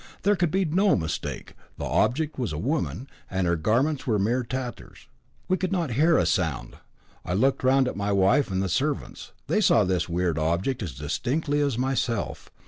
There could be no mistake the object was a woman, and her garments were mere tatters. We could not hear a sound. I looked round at my wife and the servants, they saw this weird object as distinctly as myself.